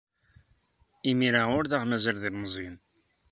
Imir-a ur aɣ-mazal d ilemẓiyen.